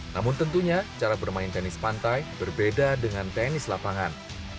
namun tentunya cara bermain tenis pantai berbeda dengan tenis lapangan